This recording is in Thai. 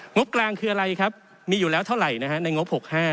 งบกลางคืออะไรครับมีอยู่แล้วเท่าไหร่นะฮะในงบ๖๕